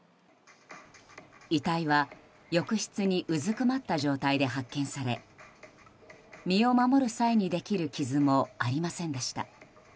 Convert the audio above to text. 遺体は浴室にうずくまった状態で発見され身を守る際にできる傷もありませんでした。